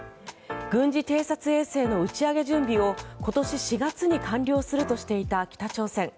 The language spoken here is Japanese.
軍事偵察衛星の打ち上げ準備を今年４月に完了するとしていた北朝鮮。